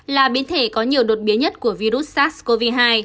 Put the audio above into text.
là biến thể có nhiều đột biến nhất của virus sars cov hai